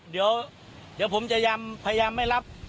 เดี๋ยวผมจะพยายามไม่รับ